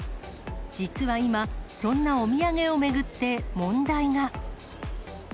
実は今、そんなお土産を巡って問題が。